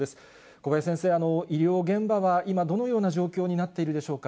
小林先生、医療現場は今、どのような状況になっているでしょうか。